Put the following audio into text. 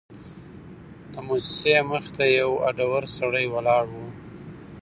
د موسسې مخې ته یو هډور سړی ولاړ و.